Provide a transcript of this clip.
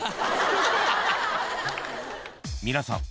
［皆さん